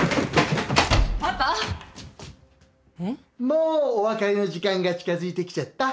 もうお別れの時間が近づいてきちゃった！